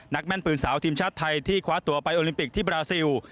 แม่นปืนสาวทีมชาติไทยที่คว้าตัวไปโอลิมปิกที่บราซิล